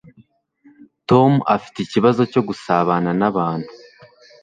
tom afite ikibazo cyo gusabana nabantu